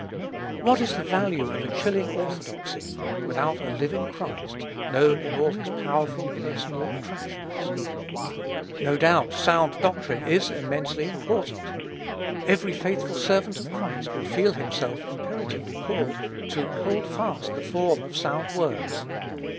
What is the value of a chilling orthodoxy without a living Christ, known in all his powerful, personal attractions? No doubt, sound doctrine is immensely important. Every faithful servant of Christ will feel himself imperatively called upon to "hold fast the form of sound words."